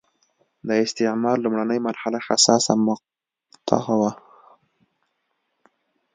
د استعمار لومړنۍ مرحله حساسه مقطعه وه.